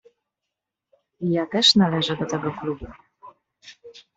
"Ja też należę do tego klubu."